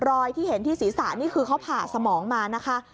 ที่เห็นที่ศีรษะนี่คือเขาผ่าสมองมานะคะ